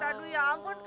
aduh ya ampun